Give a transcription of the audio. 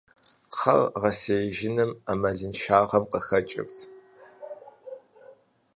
Кхъэр гъэсеижыныр Ӏэмалыншагъэм къыхэкӀырт.